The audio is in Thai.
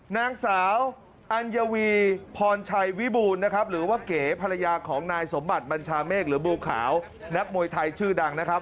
นางสาวอัญวีพรชัยวิบูรณ์นะครับหรือว่าเก๋ภรรยาของนายสมบัติบัญชาเมฆหรือบัวขาวนักมวยไทยชื่อดังนะครับ